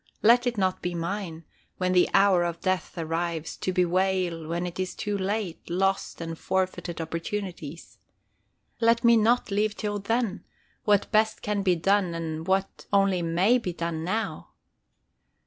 Let it not be mine, when the hour of death arrives, to bewail, when it is too late, lost and forfeited opportunities. Let me not leave till then, what best can be done and what only may be done now.